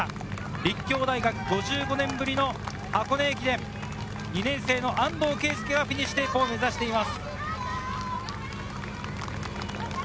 立教大学、５５年ぶりの箱根駅伝、２年生の安藤圭佑がフィニッシュテープを目指しています。